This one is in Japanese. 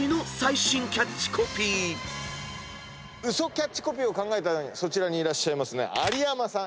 ウソキャッチコピーを考えたのはそちらにいらっしゃいます有山さん。